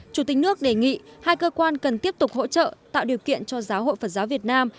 chủ tịch nước đề nghị hai cơ quan cần tiếp tục hỗ trợ tạo điều kiện cho giáo hội phật giáo việt nam